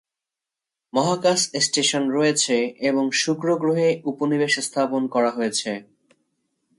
মহাকাশ স্টেশন রয়েছে এবং শুক্র গ্রহে উপনিবেশ স্থাপন করা হয়েছে।